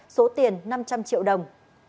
số tiền năm trăm linh triệu đồng